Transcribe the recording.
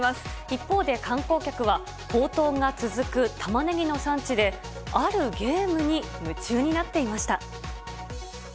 一方で観光客は、高騰が続くたまねぎの産地で、あるゲームに夢中になっていまし